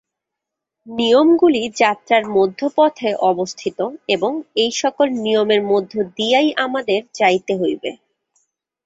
নিয়মগুলি যাত্রার মধ্যপথে অবস্থিত, এবং এই-সকল নিয়মের মধ্য দিয়াই আমাদের যাইতে হইবে।